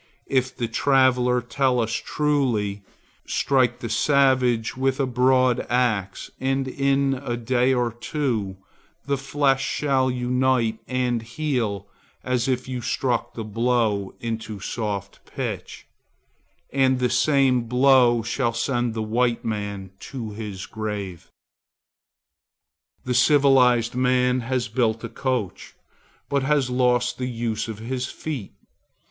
If the traveller tell us truly, strike the savage with a broad axe and in a day or two the flesh shall unite and heal as if you struck the blow into soft pitch, and the same blow shall send the white to his grave. The civilized man has built a coach, but has lost the use of his feet.